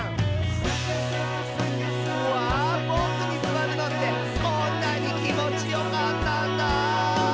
「うわボクにすわるのってこんなにきもちよかったんだ」